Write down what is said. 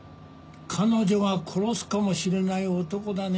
彼女が殺すかもしれない男だね。